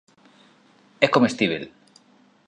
É comestíbel.